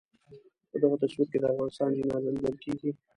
په دغه تصویر کې د افغانستان جنازه لیدل کېږي.